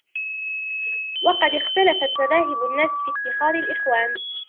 وَقَدْ اخْتَلَفَتْ مَذَاهِبُ النَّاسِ فِي اتِّخَاذِ الْإِخْوَانِ